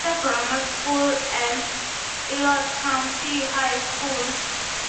"Education:" Manchester Grammar School and Ilford County High School.